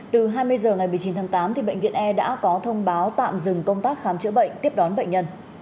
từ hai mươi h ngày một mươi chín tháng tám bệnh viện e đã có thông báo tạm dừng công tác khám chữa bệnh tiếp đón bệnh nhân